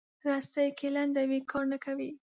رسۍ که لنډه وي، کار نه کوي.